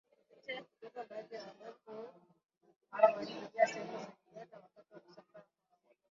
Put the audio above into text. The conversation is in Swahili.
kupitia Kigoma baadhi ya wabantu hawa walipitia sehemu za Uganda Wakati wa kusambaa kwao